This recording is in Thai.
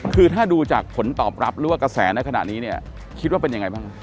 คือถ้าดูจากผลตอบรับหรือว่ากระแสในขณะนี้เนี่ยคิดว่าเป็นยังไงบ้าง